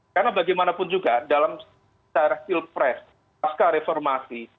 karena bagaimanapun juga dalam secara silpres pasca reformasi